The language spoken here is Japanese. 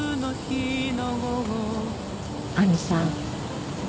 亜美さん